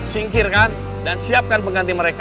singkirkan dan siapkan pengganti mereka